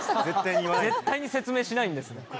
絶対に説明しないんですね